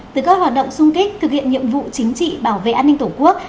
từ các hoạt động sung kích thực hiện nhiệm vụ chính trị bảo vệ an ninh tổ quốc